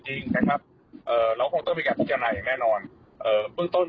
จริงนะครับเราคงเติมไปกับพิจารณาอย่างแน่นอนพื้น